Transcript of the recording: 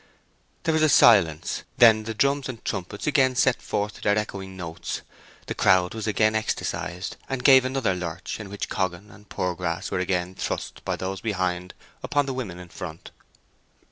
There was a silence; then the drums and trumpets again sent forth their echoing notes. The crowd was again ecstasied, and gave another lurch in which Coggan and Poorgrass were again thrust by those behind upon the women in front.